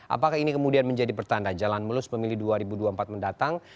apakah ini kemudian menjadi pertanda jalan mulus pemilih dua ribu dua puluh empat mendatang